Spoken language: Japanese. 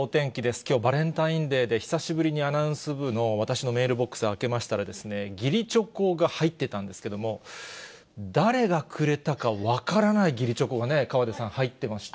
きょう、バレンタインデーで、久しぶりにアナウンス部の私のメールボックス開けましたらですね、義理チョコが入ってたんですけれども、誰がくれたか分からない義理チョコがね、河出さん、入ってまして。